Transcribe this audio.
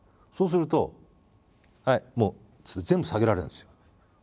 そうすると「はいもう」っつって全部下げられるんですよ